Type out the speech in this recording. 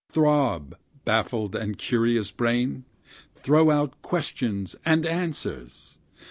Throb, baffled and curious brain! throw out questions and answers!